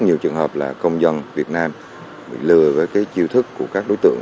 nhiều trường hợp là công dân việt nam bị lừa với cái chiêu thức của các đối tượng